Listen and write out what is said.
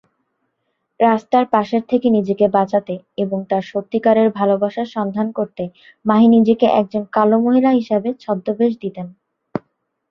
রাস্তার পাশের থেকে নিজেকে বাঁচাতে এবং তার সত্যিকারের ভালবাসার সন্ধান করতে মাহি নিজেকে একজন কালো মহিলা হিসাবে ছদ্মবেশ দিতেন।